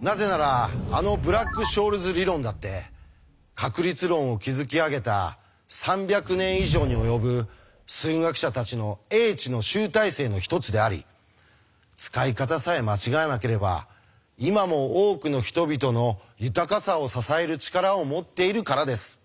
なぜならあのブラック・ショールズ理論だって確率論を築き上げた３００年以上に及ぶ数学者たちの英知の集大成の一つであり使い方さえ間違えなければ今も多くの人々の豊かさを支える力を持っているからです。